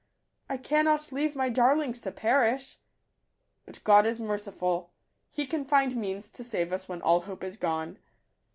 I cannot leave my darlings to perish! But God is merciful ; He can find means to save us when all hope is gone.